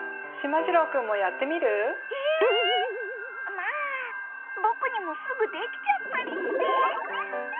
まぁ僕にもすぐできちゃったりして。